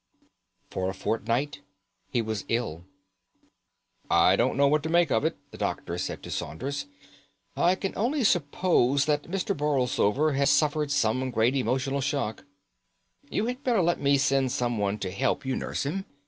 For a fortnight he was ill. "I don't know what to make of it," the doctor said to Saunders. "I can only suppose that Mr. Borlsover has suffered some great emotional shock. You had better let me send someone to help you nurse him.